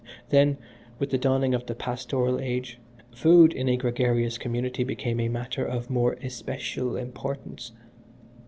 Then, with the dawning of the Pastoral Age, food in a gregarious community became a matter of more especial importance.